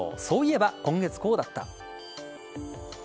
そういえば今月こうだった。